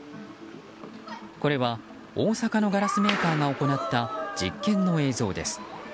これは大阪のガラスメーカーが行った実験の映像です。